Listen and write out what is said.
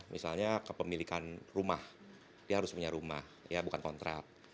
misalnya kepemilikan rumah dia harus punya rumah bukan kontrak